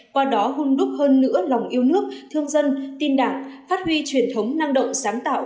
qua đó hôn đúc hơn nữa lòng yêu nước thương dân tin đảng phát huy truyền thống năng động sáng tạo